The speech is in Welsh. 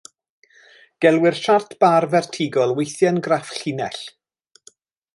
Gelwir siart bar fertigol weithiau'n graff llinell.